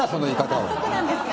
早速なんですが。